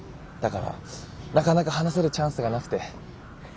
だからなかなか話せるチャンスがなくて。